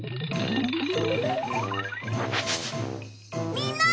みんな！